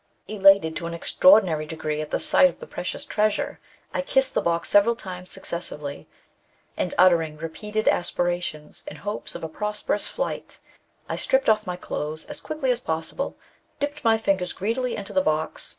" Elated to an extraordinary degree at the sight of the precious treasure, I kissed the box several times successively ; and uttering repeated aspirations in hopes of a prosperous flight, I stripped ofiF my clothes as quick as possible, dipped my fingers greedily into the box, NATURAL CAUSES OF LYCANTHROPY.